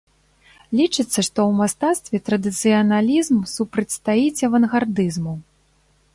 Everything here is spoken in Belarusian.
Лічыцца, што ў мастацтве традыцыяналізм супрацьстаіць авангардызму.